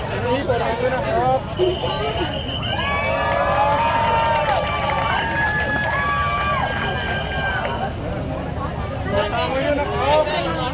อันนี้ก็เรียกได้เท่านั้นนะครับ